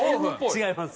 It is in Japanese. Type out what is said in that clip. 違います。